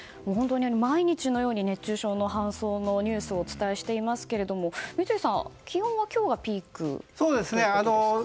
毎日のように熱中症の搬送のニュースをお伝えしていますけど三井さん、気温は今日がピークということですが。